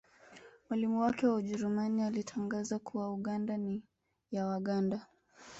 Mwalimu wake wa Ujerumani alitangaza kuwa Uganda ni ya Waganda